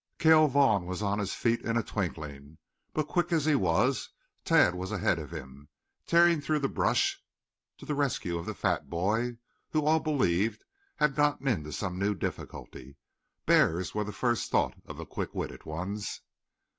Cale Vaughn was on his feet in a twinkling. But quick as he was, Tad was ahead of him, tearing through the brush to the rescue of the fat boy, who, all believed, had got into some new difficulty. Bears was the first thought of the quicker witted ones.